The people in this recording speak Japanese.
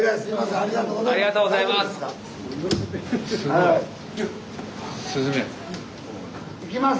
ありがとうございます。